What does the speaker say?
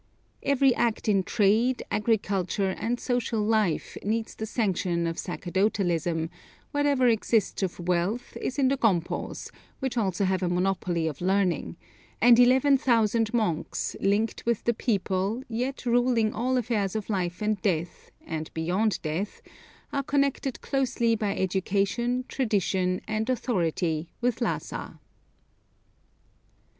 Every act in trade, agriculture, and social life needs the sanction of sacerdotalism, whatever exists of wealth is in the gonpos, which also have a monopoly of learning, and 11,000 monks, linked with the people, yet ruling all affairs of life and death and beyond death, are connected closely by education, tradition, and authority with Lhassa.